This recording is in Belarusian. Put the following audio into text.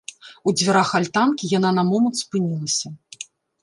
У дзвярах альтанкі яна на момант спынілася.